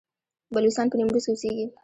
بلوڅان په نیمروز کې اوسیږي؟